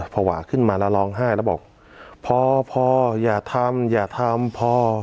ภาวะขึ้นมาแล้วร้องไห้แล้วบอกพอพ่ออย่าทำอย่าทำพอ